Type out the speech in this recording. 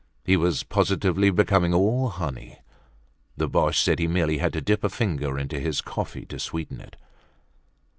He was positively becoming all honey. The Boches said he merely had to dip a finger into his coffee to sweeten it.